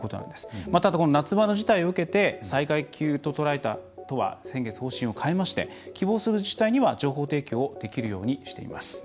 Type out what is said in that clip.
また、この夏場の事態を受けて災害級と捉えた都は先月、方針を変えまして希望する自治体には情報提供できるようにしています。